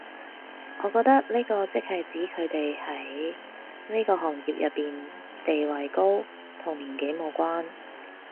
我覺得呢個即係指佢哋喺呢個行業入面地位高，同年紀無關